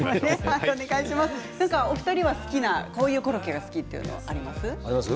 お二人は、こういうコロッケが好きというのはありますか？